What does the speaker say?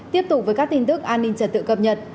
tiếp tục với các tin tức an ninh trật tự cập nhật